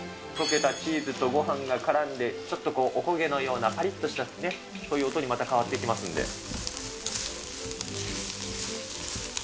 溶けたチーズとごはんがからんで、ちょっとこう、お焦げのようなぱりっとした、そういう音にまた、変わっていきますんで。